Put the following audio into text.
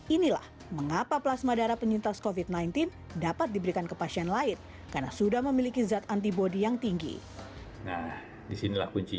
inilah mengapa plasma darah penyintas covid sembilan belas dapat diberikan ke pasien lain